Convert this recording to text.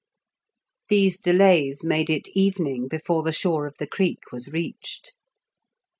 These delays made it evening before the shore of the creek was reached.